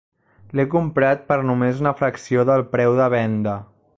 L'he comprat per només una fracció del preu de venda.